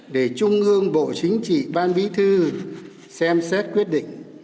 để trung ương bộ chính trị ban bí thư xem xét quyết định